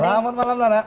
selamat malam mbak nana